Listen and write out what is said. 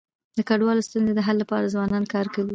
د کډوالی ستونزي د حل لپاره ځوانان کار کوي.